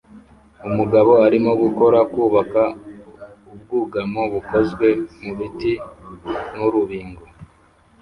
umugabo arimo gukora kubaka ubwugamo bukozwe mubiti nurubingo